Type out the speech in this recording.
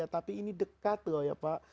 tapi ini dekat loh ya pak